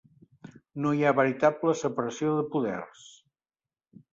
No hi ha veritable separació de poders.